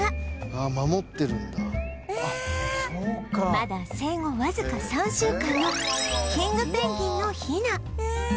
まだ生後わずか３週間のキングペンギンのヒナ